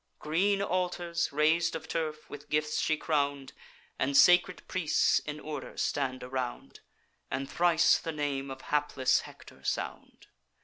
Green altars, rais'd of turf, with gifts she crown'd, And sacred priests in order stand around, And thrice the name of hapless Hector sound.